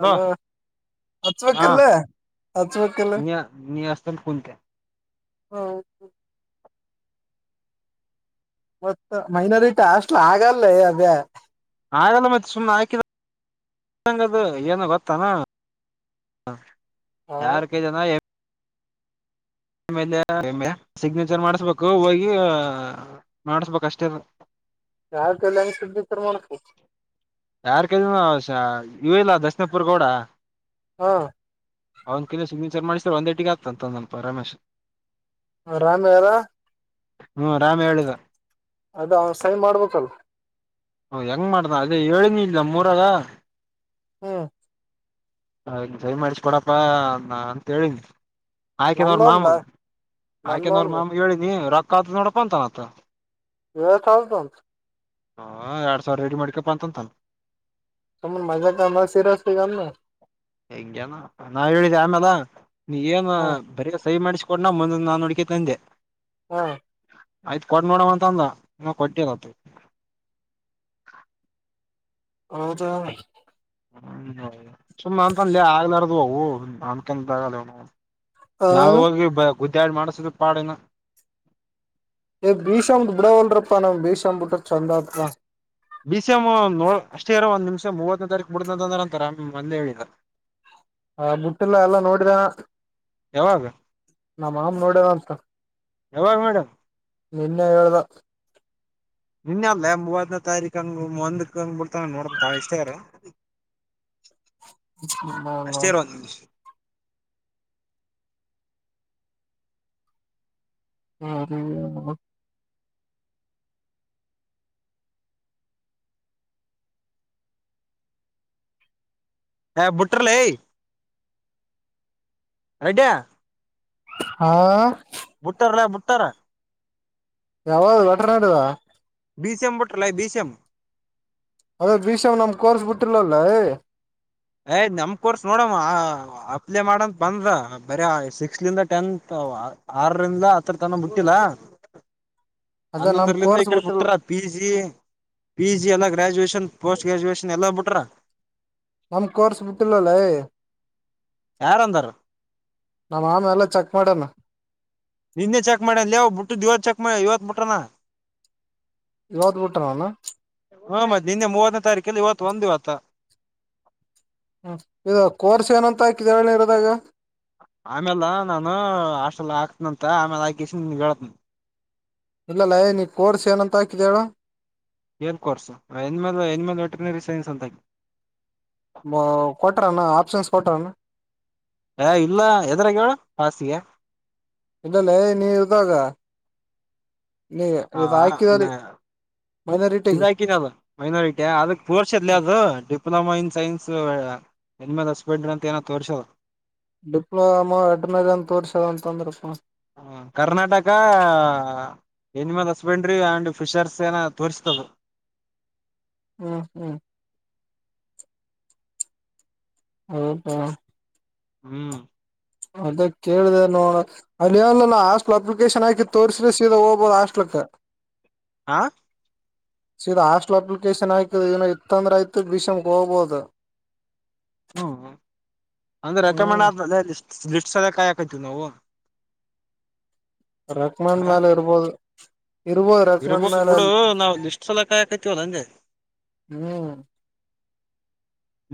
Hello ಹಾ ಅಚಬೇಕ್ಕಲ್ಲ ಅಚುವಕ್ಕಲ್ಲ ನೀ ನೀ ಅಷ್ಟಂತ ಕುಂತೆ ಹ್ಮ್ ಮತ್ತ ಮೈನಾರಿಟಿ ಅಷ್ಟಲ ಆಗಲ್ಲ ಅದ್ಯಾ ಹಾಗಗಲ್ಲ ಮತ್ತೆ ಸುಮ್ನೆ ಹಾಕಿದ ಂಗದು ಏನು ಗೊತ್ತಾನ ಹ ಯಾರ್ ಕ ಜನ ಆಲೆ ಸಿಗ್ನೇಚರ್ ಮಾಡಸ್ಬೇಕು ಹೋಗಿ ಮಾಡಸ್ಬೇಕ ಅಷ್ಟೇ ಯಾರ್ ಕೈಲಿ ಯಂಗ್ [unintelligible] ಮಾಡಬೇಕು ಯಾರ್ ಕೈಲಿ ಇವಿಲ ದಶನಪುರ್ ಗೌಡ ಹಾ ಅವಂದ ಕಿಲ ಸಿಗ್ನೇಚರ್ ಮಾಡಿಸ್ತಾರೆ ಒಂದ್ ಎಟಿಗೆ ಆಗ್ತಂತ ಒಂದಲ್ಪ ರಮೇಶ್ ಆರಾಮ್ ಯಾರ ಹ್ಮ್ ರಾಮ್ ಹೇಳಿದ ಅದ ಸೈನ್ ಮಾಡ್ಬೇಕಲ್ ಹ ಹೆಂಗ್ ಮಾಡ್ದ ಅದೇ ಹೇಳನ ಇಲ್ ಮೂರಾರ ಹ್ಮ ಹಾಗ ಸೈನ್ ಮಾಡಿಸಕೊಡಪ್ಪಾ ನಾ ಅಂತ ಹೇಳಿನಿ ಆಯ್ಕನವ್ರ ನಂದೊಂದ್ಲ ಮಾಮೂಲ್ ಆಯ್ಕನ ಅವ್ರ ನಂದೊಂದು ಮಾಮೂ ಹೇಳಿನಿ ರೊಕ್ಕ ಕದು ನಡ ಪಂತಾನತ್ತ ಎಸ್ಟ್ಧೋ ಹಾ ಎರಡ್ ಸಾವಿರ ರೇಡಿ ಮಾಡ್ಕಪ್ಪಾ ಅಂತಂತಲ್ಲ ಸಮ್ಮ ಮಾಜಾ ಕಾಮ ಆ ಸಿರಸ್ತೆ ಕಾಮ ನ ಹೆಂಗೇನಾ ನಾವ್ ಹೇಳಿದ ಆಮೇಾಲ ನೀ ಏನ್ ಹ ಬರ ಸಹಿ ಮಾಡಿಸಕೊೊಂಡನಾ ಮುಂದ ನಾ ನುಡಿಕತಂದೆ ಹಾ ಆಯ್ತ್ ಕೊಡ ನೋಡವ ಅಂತ ಅಂದ ಕೊಟ್ಟದತ ಹೌದು ಹ್ಮೌ ಸುಮ್ನೆ ಅಂತ ಅಲ್ಲ ಆಗ್ಲಾರದು ಅವು ನನ್ ಕೆಂತ ಆಗಲ್ಲವ ಹ ನಾವ ಹೋಗಿ ಗುದ್ದ್ಯಾಡಿ ಮಾಡಸುದು ಪಾಡಿನ ಭೀಷ್ ಬಿಡ ಒಳ್ಳರಪ್ಪ ನಾ ಭೀಷ್ ಬಿಟ್ಟ ಚಂದ ಅ ಬಿ ಸಿ ಎಂ ನೋ ಅಷ್ಟೇ ಇರೋ ಒಂದ್ ನಿಮಿಷ ಮೂವತ್ತನೇ ತಾರೀಕು ಮುಡ ಅಂತಂದ್ರ ಅಂತಾರ ಮಂದೆ ಹೇಳಿದ ಹ ಮುುಟ್ಟಲ್ಲ ಎಲ್ಲ ನೋಡಿದ ಯಾವಾಗ ನ ಮಾಮ ನೋಡವ ಅಂತ ಯಾವಾಗ ಮೇಡಮ್ ನಿನ್ನೆ ಹೇಳ್ದ ನಿನ್ನ ಅಲ್ಲೇ ಮೂವತ್ತನೇ ತಾರೀಕು ಹಂಗ ಒಂದ ಹಂಗ್ ಬಿಳ್ತ ನೋಡ ಬಾಳ ಇಷ್ಟಾರ ಹಾ ಹಾ ಅಷ್ಟೇ ಇರ ಒಂದ್ ನಿಮಿಷ ಹ್ಮದ ಹ ಬುಟ್ಟಿರ್ಲೆ ಯದಾ ಹಾ ಮುಟ್ಟರಲ್ಲ ಮುಟ್ಟರ ಯಾವ ಒಟನಾಡುವ ಬಿಸಿಎಂ ಬುಟ್ರಲೇ ಬಿಸಿಎಂ ಅದು ಬಿಸಿಎಂ ನಮ್ ಕೋರ್ಸ್ ಬಿಟ್ಟಲಲ್ಲ ಯ್ ನಮ್ ಕೋರ್ಸ್ ನೋಡಮ್ಮ ಅಪ್ಲೈ ಮಾಡಂತ ಬಂದ ಬರ ಸಿಕ್ಸ್ತ್ಲಂದ ಟೆಂತ್ ಹ ಆರರಿಂದ ಹತ್ತರ ತನ ಬಿಟ್ಟಿಲ್ಲ [inaudible] ನಮ್ ಹನ್ನೊಂದರ್ಲಿಂದ ಈ ಕೋರ್ಸ್ ಕಡೆ ಬಿಟ್ಟಿಲ್ಲ ಬಿುಟ್ಟ್ರ ಪಿ ಜಿ ಪಿ ಜಿ ಎಲ್ಲ ಗ್ರಾಜುಯೇಷನ್ ಪೋಸ್ಟ್ ಗ್ರ್ಯಾಜುಯೇಷನ್ ಎಲ್ಲ ಬಿಟ್ರ ನಮ್ ಕೋರ್ಸ್ ಬಿುಟ್ಟಿಲ್ಲಲ್ಲೇ ಯಾರ ಅಂದ್ರ ನಮ್ಮ ಆಮ ಎಲ್ಲಾ ಚೆಕ್ ಮಾಡಣ ನಿನ್ನೆ ಚೆಕ್ ಮಾಡ್ಯ ಅಲ್ಲಿವು್ ಬಿಟ್ಟು ದವ ಚೆಕ್ ಮಾಡ ಇವತ್ ಬಿಟ್ರನಾ ಇವತ್ ಬಿಟ್ಟ ಅವನು ಹ್ಮ ಮತ್ತೆ ನಿನ್ನೆ ಮೂವತ್ತನೇ ತಾರೀಕು ಕ ಇವತ್ತು ಒಂದ್ ಇವತ್ತ ಹ್ಮ ಇದು ಕೋರ್ಸ್ ಏನಂತಕಿದಿ ಹೇಳು ಇದ್ರಾಗ ಆಮೇಲೆ ನಾನು ಹಾಸ್ಟೆಲ್ ಹಾಕ್ತನ ಅಂತ ಆಮೇಲೆ ಹಾಕಿಸಿ ನಿನ್ ಹೇಳತನ ಇಲ್ಲಲ್ಲ ಏ ನೀ ಕೋರ್ಸ್ ಏನಂತ ಹಾಕಿದಿ ಹೇಳು ಏನ್ course animal animal veterinary science ಅಂತ ಕೊಟ್ರಣ್ಣ ಆಪ್ಷನ್ಸ್ ಕೊಟ್ರಣ್ಣ ಹ ಇಲ್ಲ ಎದ್ರಾಗ ಹಾಸಿಗೆ ಇಲ್ಲಲ್ಲೇ ನೀ ಇದ್ದಾಗ ಇವ ಆಗಿವ್ರಿ ಇಕಿನ ಅದು ಮೈನಾರಿಟಿ ಅದಕ್ ಪೋರ್ಷ ಇಲಿ ಅದು ಡಿಪ್ಲೊಮಾ ಇನ್ ಸೈನ್ಸ್ ಎಣ್ಮೇಲೆ ಸ್ಪೀಡ್ ಅಂತ ಏನ ತೋರ್ಶವ ಡಿಪ್ಲೊಮೋ ಅಡ್ಮನ್ ತೋರ್ಸೋದ ಅಂತಂದ್ರಪ್ಪ ಹ ಕರ್ನಾಟಕ ಹ ಎನಿಮಲ್ ಹಸ್ಬೆಂಡ್ರಿ ಅಂಡ್ ಫಿಶರ್ಸ್ ಏನ ತೋರಿಸ್ತದೆ ಹ್ಮ್ ಹ್ಮ್ ಹೌದಾ ಹ್ಮ್ ಅದ ಕೇಳಿದೆ ನೋಡ ಅದೇನ್ ಹಾಸ್ಟ್ಲ್ ಅಪ್ಲಿಕೇಶನ್ ಹಾಕಿ ತೋರಿಸಸ್ರೆ ಸೀದಾ ಹೋಗ್ಬೋದು ಹಾಸ್ಟ್ಲ್ಕ್ [inaudible] ಹಾ ಸೀದಾ ಹಾಸ್ಟೆಲ್ ಅಪ್ಲಿಕೇಶನ್ ಆಕ ಏನೋ ಇತ್ತಂದ್ರೆ ಆಯ್ತ ಭೀಷಮ್ಗೆ ಹೋಗ್ಬಹುದು [inaudible] ಹ್ಮ್ ಅಂದ್ರೆ ರೆಕಮೆಂಡ್ ಹ್ಮ್ ಆದ ಅ ಲಿಸ್ಟ್ ಅದ ಕತು ನವು ರಕ್ಮಂಡ್ ಮೇಲೆ ಇರ್ಬೋದು ಇರ್ಬೋದು ರೆಕಮೆಂಡ್ ಇರ್ಬೋದು ಮೇಲೆ ಬಿಡು ಅಲ್ಲಿ ನಾವವು ಲಿಸ್ಟ್ ಸಲ ಕಾಯಕೈತಿವ ಅಂಗೆ ಹ್ಮ್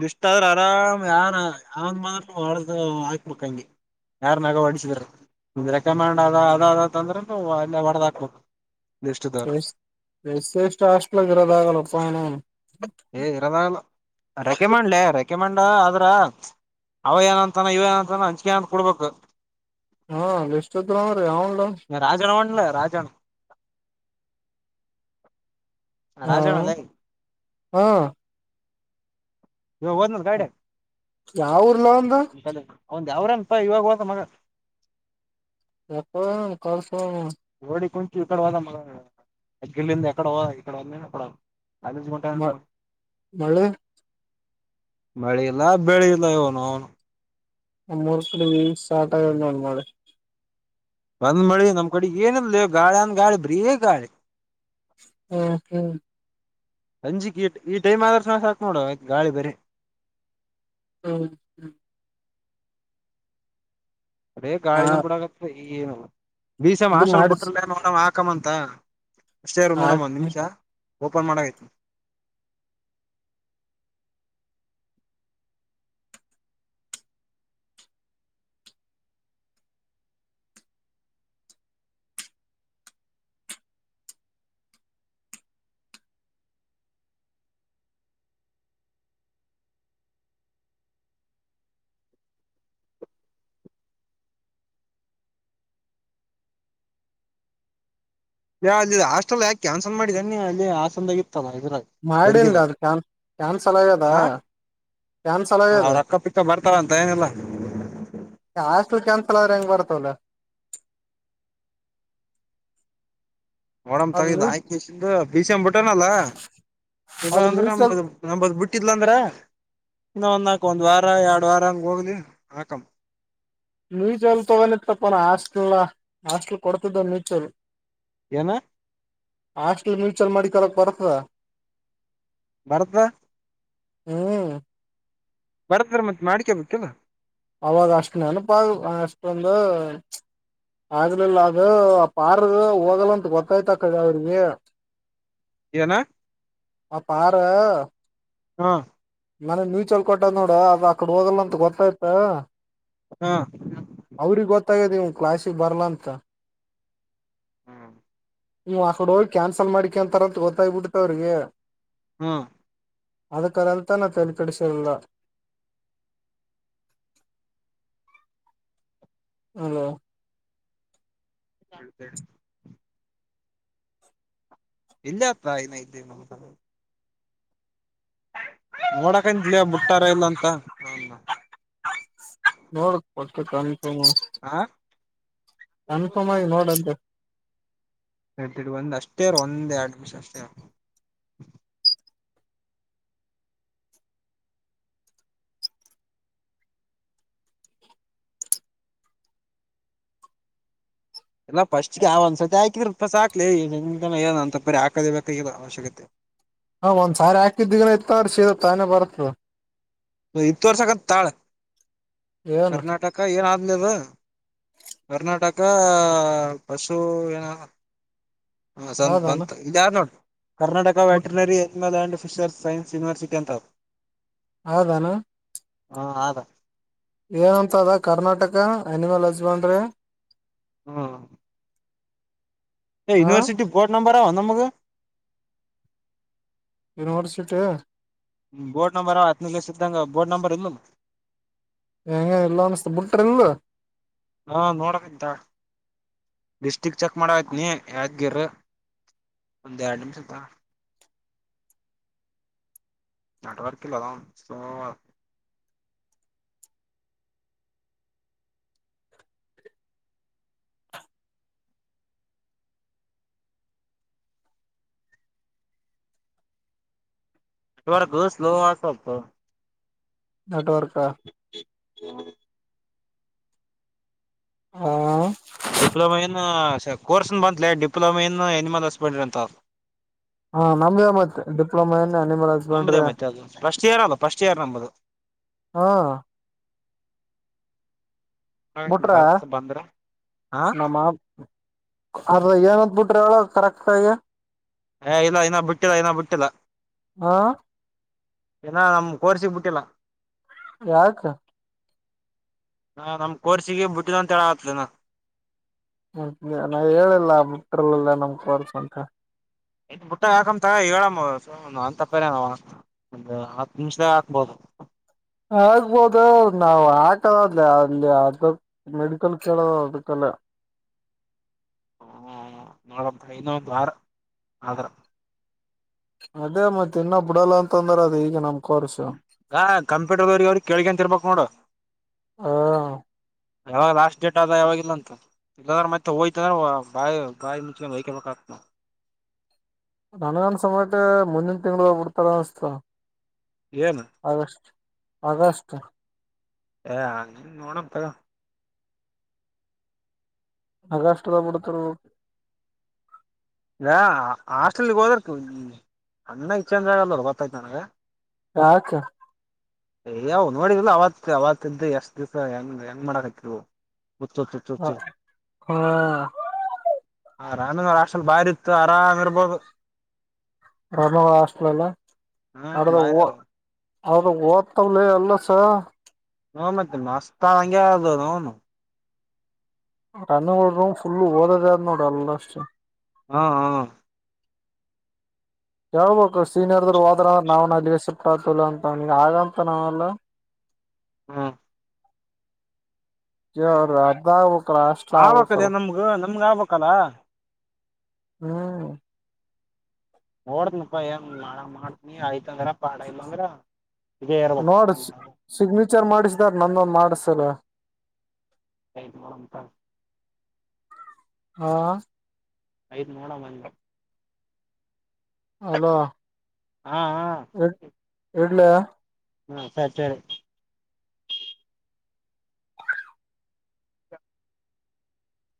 ಇಷ್ಟ ಆದ್ರ ಆರಾಮ್ ಯಾರ ಅವಂಗ ಮಾತ್ರ ಹೊಡ್ದ ಹಾಕ್ಬೇಕಂಗೆ ಯಾರ್ ಮಗ ಹೊಡಿಸಿದ್ರ ನಿಮ್ದ ರೆಕಮೆಂಡ್ ಅದ ಅದ ಅದ ಅಂದ್ರನು ಅಲ್ಲೇ ಹೊಡದ್ ಹಾಕ್ಬೇಕು ಲಿಸ್ಟ್ ದವ್ರು ಎ ಎಸ್ ಎಷ್ಟು ಹಾಸ್ಟಲ್ ಇರೋದ ಆಗಲ್ಲಪ್ಪಾಯಣ ನಾನು ಏ ಇರಲ್ಲ ನಾನು ರೆಕೆಮಂಡಲೆ ರೆಕೆಮಂಡ ಆದ್ರ ಅವ ಏನ ಅಂತಾನ ಇವ ಏನ ಅಂತಾನ ಅಂಚಿಕೆ ಅ ಕೊಡ್ಬೇಕು ಹಾ ಲಿಸ್್ಟ ಇದರಾಮ ರೀ ಯವುನ್ಲ ಲ್ಲ ರಾಜಾನ ಹಾ ಹಾ ಇವಾಗ ಹೋದ್ನ ಗಾಡೆ ಯಾವ ಊರ್ಲ ಅವುಂದು ಒಂದು್ ಅವ್ರನ್ಪ ಇವಾಗ ಹತ ಮಗ ಎಕ್ಕ ಕಸ [inaudible] ಇಗಡೆ ಹೋದ ಮಗ ಇಗಡಿ ಏಗಡಿ ಹೋದ ಇಗಡೆ ಹೋದ್ನ ಅಕಡೆ ಹೋದ್ನ ಅದು ಮೊಟ ಅಮ್ಮ ಮಳೆ ಮಳಿ ಇಲ್ಲ ಬೆಳಿ ಇಲ್ಲ ಇವನು ಅವ್ನು ನಮ್ಮಾರ್ ಕಡೆ ಈಗ ಸ್ಟಾರ್ಟ ಆಗ್ಯೇತ್ ನೋಡ್ ಮಳೆ ಬಂದ್ ಮಳಿ ನಮ್ ಕಡೆ ಏನಿಲ್ಲ ಗಾಳಿ ಅಂದ ಗಾಳಿ ಬರೀ ಗಾಳಿ ಹ್ಮ ಹ್ಮ್ ಸಂಜಿಕ್ ಈ ಈ ಟೈಮ್ ಆದ್ರ ಸ ಸಾಕ್ ನೋಡುವ ಗಾಳಿ ಬರಿೀ ಹ್ಮ ಹ್ಮ ಅದೇ ಹ ಗಾಳಿ ಬುಡಕತ್ತದೆ ಏನವ ಈ ಬೀಸ ಇದು ಮಾಡಿಸ್ ಮಾಷಲ್ಬುಟ್ಟಲ್ಲ ಹಕ್ಕಮ್ಮಂತ ಅಷ್ಟೇರು ನೋಡ ಒಂದ್ ನಿಮಿಷ ಓಪನ್ ಮಾಡತ ಯ ಅಲ್ಲಿ ಹಾಸ್ಟೆಲ್ ಯಾಕೆ ಕ್ಯಾನ್ಸಲ್ ಮಾಡಿದಾನಿ ಅಲ್ಲಿ ಹಾಸಂದಗೆ ಇದ್ರಗ ಮಾಡನ್ಲ ಬರಿಗಿದಗ ಅದು ಕ್ಯಾನ್ ಕ್ಯಾನ್ಸಲ್ ಆಗ್ಯದ ಹ ಕ್ಯಾನ್ಸಲ್ ಹ ಆಗ್ಯದ ಅವ್ರಕ್ಕಪಿಕ್ಕ ಬರ್ತಾರಂತ ಏನಿಲ್ಲ ಳಂಗಗೆ ಬರತಲ್ಲ ಓಡಮ್ ತಗಿದ್ ಆಯಕ ಬೀಸ ಅ ಬಿಟ್ಟನಲ್ಲ ಇಲ್ಲ ಅದು ಅಂದ್ರೆ ಮ್ಯೂಚುವಲ್ ನ ನದ್ ಬಿಟ್ಟ ಹತಿದ್ಲಂದ್ರ ಇ ಒ ನಾಕ ಒಂದ್ ವಾರ ಎರಡ್ ವಾರ ಹಂಗ ಹೋಗ್ಲಿ ಹಾಕಂ ನೀೂಚೋಲ್ ತಗೊಂಡ ತಪ್ಪ ನ ಹಾಸ್ಟಲ್ ಹಾಸ್ಟಲ್ ಕೊಡ್ತದೋ ನೀೂಚೋಲ್ ಏನ ಹಾಸ್ಟಲ್ ಮ್ಯೂಚುವಲ್ ಮಡಿಿ ಕರಕ್ ಬರ್ತದ ಬಾರದ ಹ್ಮ್ ಬರತ್್ರ ಮತ್ ಮಾಡ್ಕೇಬೇಕಲ್ವಾ ಅವಾಗ ಅಷ್ಟ ನೆನಪಾಗ ಅಷ್ಟೊಂದು ಆಗ್ಲಿಲ್ಲ ಅದು ಆ ಪಾರ ಹೋಗಲ್ಲ ಅಂತ ಗೊತ್ತಾಯ್ತ ಕಡ ಅವ್ರಿಗೆ ಏನ ಆ ಪಾರ ಹಾ ಮನನ್ಯೂಚಲ್ ಕೊಟ್ಟ ನೋಡ ಅ್ರ ಅಕಡೆ ಹೋಗಲ್ಲ ಅಂತ ಗೊತ್ತಾಯ್ತ ಹಾ ಗ್ ಕ್ಲಾಸಿಗೆ ಬರ್ಲ್ಲಾ ಅಂತ ಹ್ಮ ಹ್ ಆ ಕಡೆ ಹೋಗಿ ಕ್ಯಾನ್ಸಲ್ ಮಾಡಿಕ ಅಂತಾರಂತ ಗೊತ್ತಾಗಬಿಡ್ತ ಅವ್ರಿಗೆ ಹ್ಮ್ ಅದಕ್ಕಾದಂತಾನ ತರಿಪಡಿಸಿರಿಲ್ಲ ಹ್ಮ ತ ಇಲ್ಲಾ ಪ್ರಾಯನ ಇಲ್ಲಿ ನ ನೋಡಕಂತಲಯ ಮುಟ್ಟಾರ ಇಲ್ಲ ಅಂತ ನೋಡ್ ಕೊಡ್ ಆಾ ಕನ್ಫರ್ಮ್ ಆಗಿ ನೋಡಂತ ಎಡ್ ಒಂದ್ ಅಷ್ಟೇಾರ ಒಂದ್ ಎರಡು ಮಷ ಅಷ್ಟೇ ಇಲ್ಲ ಫಸ್ಟ್ಗೆ ಯಾವ ಒಂದ್ಸರ್ತಿ ಹಾಕಿದ್ರೆಪಸಸ್ ಹಕ್ಲಿ ಏ ಅಂತ ಬರಿ ಹಾಕದೇ ಬ ಅವಶ್ಯಕತೆ ಹಾ ಒಂದ್ಸಾರಿ ಹಾಕಿದ್ದಗನ ಇತ್ತ ಅವ ಸೀರತ್ತ ತಾನೇ ಬರತ್ ಇತ್ುವರ್ಷಕಂತ ತಾಳೆ ಏನ್ ಕರ್ನಾಟಕ ಏನಾದ ದ ಕರ್ನಾಟಕ ಪಶು ಏನ ಹ ಸತ್ ಹೌದಾನ ಬಂತ ಇದ ಯಾರ್ ನೋಡಿ ಕರ್ನಾಟಕ ಬಟ್ ವೆಟ್ರನರಿಲ್ಂಡ್ ಸೋಶಲ್ ಸೈಂಸ್ ಯನಿವರ್ಸಿಟಿ ಅಂತಾ ಹೌದಾನ ಹಾ ಆದ ಏನಂತ ಅದ ಕರ್ನಾಟಕ ಅನಿಮಲ್ ಹಸ್ಬೆಂಡ್ರಿ ಹ್ಮ ಎ ಹ ಯುನಿವರ್ಸಿಟಿ ಬೋರ್ಡ್ ನಂಬರ ಒಂದ ಮಗ ಯುನಿವರ್ಸಿಟಿಯ ಬೋರ್ಡ್ ನಂಬರ್ ಹತ್ತುನ ಸ್ಧಂಗ ಬೋರ್ಡ್ ನಂಬರ್ ಇಲ್ಲು ಹಂಗ ಎಲ್ಲ ಬಿಟ್ಟರ್ಲ್ಲ ಲಡಿಸ್ಟಿಕ್ ಚೆಕ್ ಮಾಡತ್ನಿ ಯದಗಿರ ಒಂದ್ ಎರಡ್ ನಿಮಿಷತ್ತ ನೆಟ್ವರ್ಕ್ ಇಲ್ಲದಾ ಸಲೋ ಇಡ ಗ ಸ್ಲ ಆಸ ನೆಟ್ವರ್ಕ ಹ ಹಾ ಡಿಪ್ಲೊಮೆಯನ್ನು ಸರ್ ಕೋರ್ಸನ ಬಂದಲ ಡಿಪ್ಲೊಮ ಇನ್ನು ಆನಿಮಲ್ ಹಸ್ಬೆಂಡ್ರಿ ಅಂತ ಹಾ ನಮ್ಗೆೇ ಮತ್ತೆ ಡಿಪ್ಲೊಮಾ ಏನ್ ಅನಿಮಲ್ ನಮ್ದೇ ಹಸ್ಬೆಂಡ್ರಿ ಮತ್ತೆ ಅದು ಫಸ್ಟ್ ಇಯರ್ ಅಲ್ಲ ಫಸ್ಟ್ ಇಯರ್ ನಂಬದು ಹಾ ಬಿಟ್ರ ಭಾರತ ಬಂದ್ರ ಹ ನಮ್ಮ ಅದ ಏನಂದ ಬಿಿಟ್ರಿ ಅವಳ ಕರೆಕ್ತಗಿ ಹ ಇಲ್ಲ ಇನ್ನ ಬಿಟ್ಟಿಲ್ಲ ಇನ್ನ ಬಿಟ್ಟಿಲ್ಲ ಹ ಏನ ನಮ್ ಕೋರ್ಸಿಗ್ ಬಿಟ್ಟಿಲ್ಲ ಯಾರಕ ಹಾ ನಮ ಕೋರ್ಸಿಗೆ ಬಿಟ್ಟಿಲ್ಲ ಅಂತ ಹೇಳ ಆತ್ಲನಾ ಹ ನಾ್ ಹೇಳಿಲ್ಲ ಬುಟ್ರಲ್ಲೆಲ್ಲಾ ನಮ ಕ ವರ್ಸ ಅಂತ ಬುಟ್ಟ ಹಾಕ್ ತ ಹೇಳ ತಪ್ಪ ಅ ಹತ್ತು ನಿಮಿಷದ ಹತ್ಬೋದು ಆಗ್ಬೋದ ನಾವ್ ಹಾಕದ ಅದ ಅಲ್ಲಿ ಅದ ಮೆಡಿಕಲ್ ಕೇಳದ ಅದಕ್ಕೆಲ್ಲ [inaudible] ಹ ನೋಡಂತ ಇನ್ನೊ ದ್ವಾರ ಆದ್ರ ಅದೇ ಮತ್ತೆ ಇನ್ನ ಬಿಡಲ್ಲ ಅಂತಂದ್ರ ಅದು ಈಗ ನಮ ಹಾ ಕಂಪ್ಯೂಟರ್ದವರಿಗೆ ಅವ್ರಿಗೆ ಕೇಳ್ಗಂತರ್ಬೇಕಕ್ು ನೋಡು ಹ ಯಾವಾಗ ಲಾಸ್ಟ್ ಡೇಟ್ ಆದ ಯಾವಾಗಾಗಿಲ್ಲ ಅಂತ ಇಲ್ಲದ್ರೆ ಮತ್ತೆ ಹೋಯ್ತದ್ರ ಬಾಯಿ ಬಾಯಿ ಮುಂಚ ಹಯಕಬೇಕತ್ ನಾವವು ನನಗನ್ ಸಮಯಕ್ಕೆ ಮುಂದಿನ ತಿಂಳ ಹಬ ಬಿಡ್ತಾರ ಅನ್ಿಸ್ತ ಏನು ಆಗಸ್ಟ್ ಅಗಸ್ಟ್ ಅ ನೋಣಪ್ಪಾ ಹಾಗಗಷ್ಟ ಬಿಡ್ತಾರ ಇ ಆಾಸ್ಟೆಲಗೆ ಹೋದ್ರ ಅನ್ನ ಇಚ್ಚೆಂದಾಗಲ್ಲ ಗತ್ತೈತು ನನಗೆ ಹತ. ಅಯ್ಯವು ನೋಡಿದಿಲ್ಲ ಅವತ್ತು ಅವತ್ತ್ದ ಎಷ್ಟು ದಿವ್ಸ ಹೆಂಗ್ ಹೆಂಗ್ ಮಾಡಕ್ತಿವು. ಹ ಹಾ. ಹ ರಾಮಂದ ಆಕ್ಲ್ ಬಾರಿ ಇತ್ತು ಆರಾಮ್ ಇರ್ಬೋದು. ರಾಮ ಹಾಸ್ಟಲ್ ಎಲ್ಲ ಹಾ ಅಡದ ಹೂ. ಬಾರಿ ಅದ ಅದ ಓದ್ತವಲ ಎಲ್ಲಸ. ನೋ ಮತ್ತ ಮಷ್ಟತ ಹಂಗೆ ಅದು ನೋನು. [unintelligible] ರೂ ಫುಲ್ಲು ಓದದನೋಡ ಅಲ್ಲ ಇಷ್ಟ. ಹ್ಮ ಹ್ಮ. ಹೇಳ್ಬಬೇಕು ಸೀನಿಯರ್ದರು ಹೋದ್ರ ನಾವ್ನಲ್ಲಿಸಪ್ಪತಲ್ಲ ಅಂತ ಹಾಗಂತ ನಾವೆಲ್ಲಾ. ಹ್ಮ. [unintelligible] ಆಬಕ್ದ ಆಗ್ಬೇಕಲ್ಲ ನಮ್ಗ ನಮ್ಗ ಅಬಕಾಲ. ಹ್ಮ್. ನೋಡ್ನಪ್ಪಾ ಏನ್ ಮಾಡಂಗ ಮಾಡತನಿ ಆಯ್ತಂದ್ರ ಪಾಡ ಇಂಗ್ರ. ನೋಡ ಸಿ ಸಿಗ್ನೇಚರ್ ಮಾಡಿಸಿದಾರ ನಂದೊಂದ ಮಾಡಸ್ ಲೆ. ಹೇ ಮಮತ. ಹಾ. ಐದು ನೋಣ ಮಂದ. ಅಲೋ. ಹಾ ಹಾ. ಇಡ್ [unintelligible] ಹಾ ಸರಿ ಸರಿ.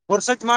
[unintelligible] ಮಾಡ್.